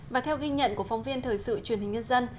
và theo ghi nhận của phóng viên thời sự truyền hình nhân dân